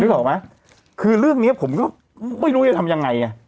ออกไหมคือเรื่องนี้ผมก็ไม่รู้จะทำยังไงไง